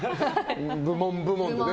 部門、部門でね。